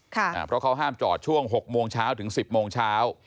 เพราะเขาห้ามจอดช่วง๖โมงเช้าถึง๑๐โมงเช้า